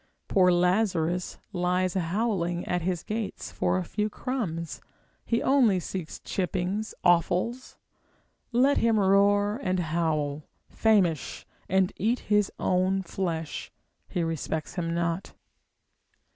Poor Lazarus lies howling at his gates for a few crumbs, he only seeks chippings, offals; let him roar and howl, famish, and eat his own flesh, he respects him not.